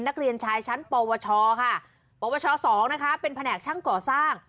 นักเรียนชายชั้นปวชค่ะปวช๒นะคะเป็นแผนกช่างก่อสร้าง